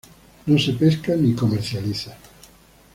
No se pesca ni comercializa.